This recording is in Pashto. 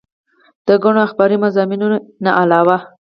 د ګڼو اخباري مضامينو نه علاوه